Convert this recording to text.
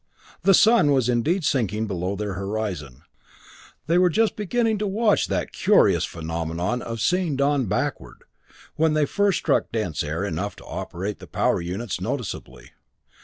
The sun was indeed sinking below their horizon; they were just beginning to watch that curious phenomenon of seeing dawn backward, when they first struck air dense enough to operate the power units noticeably.